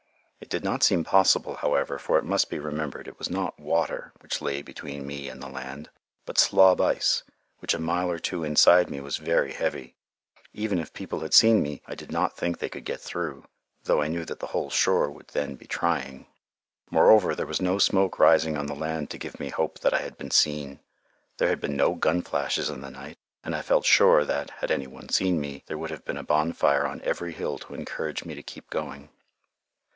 It did not seem possible, however, for it must be remembered it was not water which lay between me and the land, but slob ice, which a mile or two inside me was very heavy. Even if people had seen me, I did not think they could get through, though I knew that the whole shore would then be trying. Moreover, there was no smoke rising on the land to give me hope that I had been seen. There had been no gun flashes in the night, and I felt sure that, had any one seen me, there would have been a bonfire on every hill to encourage me to keep going.